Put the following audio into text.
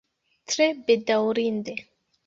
Tre bedaŭrinde.